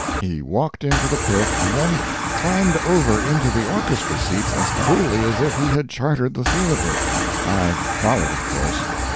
He walked into the pit, and then climbed over into the orchestra seats as coolly as if he had chartered the theatre. I followed, of course.